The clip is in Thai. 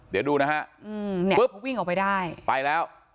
เดี๋ยวดูนะฮะปุ๊บไปแล้ว